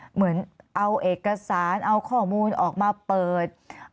เหมือนเอาเอกสารเอาข้อมูลออกมาเปิด